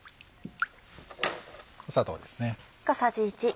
砂糖ですね。